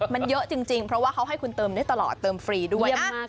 มันเยอะจริงเพราะว่าเขาให้คุณเติมได้ตลอดเติมฟรีด้วย